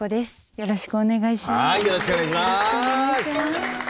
よろしくお願いします。